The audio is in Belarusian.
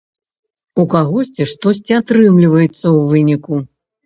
У кагосьці штосьці атрымліваецца ў выніку.